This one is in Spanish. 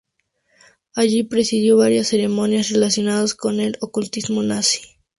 Allí presidió varias ceremonias relacionadas con el ocultismo nazi.